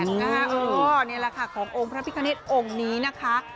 นี่แหละค่ะขององค์พระพิคเนตองค์นี้นะคะ